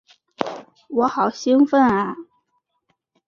我好兴奋啊！